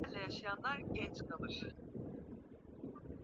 Lala ndani ya neti kuepuka ugonjwa ya malaria